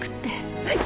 はい！